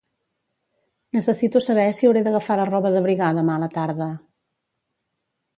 Necessito saber si hauré d'agafar la roba d'abrigar demà a la tarda.